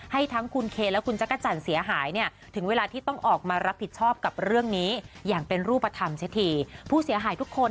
ให้ทั้งคุณเคและคุณจักรจันเสียหาย